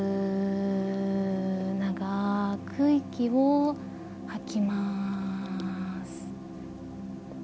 長く息を吐きます。